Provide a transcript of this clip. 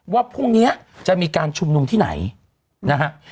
ว่าพรุ่งนี้จะมีการชุมนุมที่ไหนนะฮะ